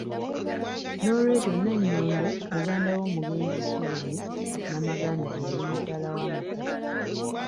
Nolwekyo Nanyondo muganda w'omugenzi Suzan Namaganda eyali mukyala wa Mukasa.